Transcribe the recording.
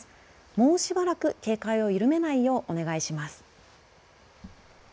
もうしばらく警戒を緩めないようお願いします。